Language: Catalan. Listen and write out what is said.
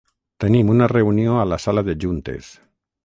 Tenim una reunió a la sala de juntes.